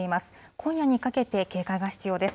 今夜にかけて警戒が必要です。